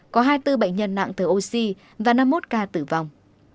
có hai mươi bốn bệnh nhân nặng từ oxy và năm mươi một ca tử vong